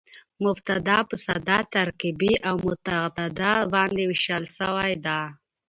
مبتداء په ساده، ترکیبي او متعدده باندي وېشل سوې ده.